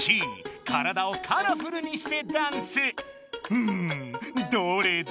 うんどれだ？